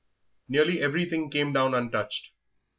IX Nearly everything came down untouched.